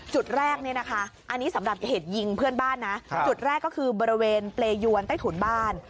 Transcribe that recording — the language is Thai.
จุดแรกเนี่ยนะคะอันนี้สำหรับเหตุยิงเพื่อนบ้านนะจุดแรกก็คือบริเวณเปรยวนใต้ถุนบ้าน